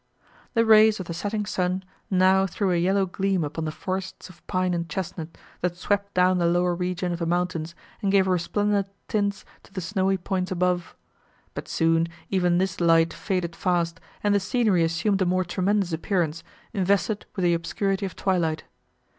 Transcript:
The rays of the setting sun now threw a yellow gleam upon the forests of pine and chesnut, that swept down the lower region of the mountains, and gave resplendent tints to the snowy points above. But soon, even this light faded fast, and the scenery assumed a more tremendous appearance, invested with the obscurity of twilight.